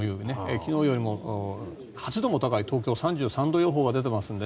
昨日よりも８度も高い東京、３３度予報が出ていますので。